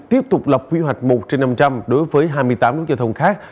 tiếp tục lập quy hoạch một trên năm trăm linh đối với hai mươi tám nút giao thông khác